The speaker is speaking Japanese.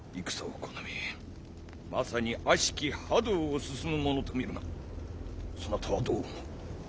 まさに悪しき覇道を進む者と見るがそなたはどう思う？